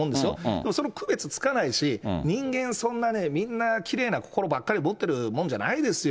でも、その区別つかないし、人間、そんなね、みんな、きれいな心ばっかり持ってるもんじゃないですよ。